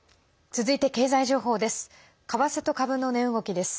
続いて経済情報です。